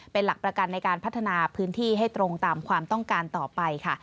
เป็นหลักประกันในการพัฒนาพื้นที่ให้ตรงตามความต้องการต่อไปค่ะ